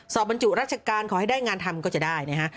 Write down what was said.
บรรจุรัชการขอให้ได้งานทำก็จะได้นะฮะ